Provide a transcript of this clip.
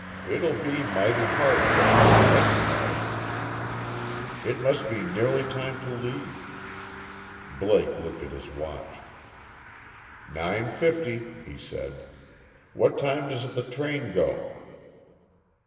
It'll be mighty hard, though mighty hard.... It must be nearly time to leave." Blake looked at his watch. "Nine fifty," he said. "What time does the train go?"